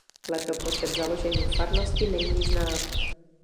Letopočet založení farnosti není znám.